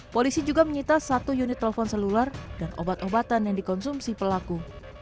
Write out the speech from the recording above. polisi juga menyita satu unit telepon seluler dan obat obatan yang dikonsumsi pelaku